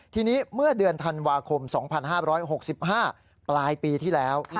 ทีนี้เมื่อเดือนธันวาคม๒๕๖๕ปลายปีที่แล้ว